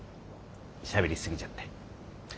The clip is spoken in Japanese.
しゃべり過ぎちゃって。